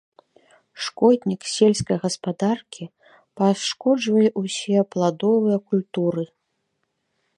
Шкоднік сельскай гаспадаркі, пашкоджвае ўсе пладовыя культуры.